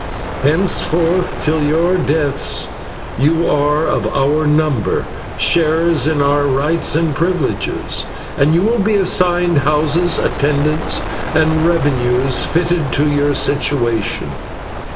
Henceforth till your deaths you are of our number, sharers in our rights and privileges, and to you will be assigned houses, attendants and revenues fitted to your station.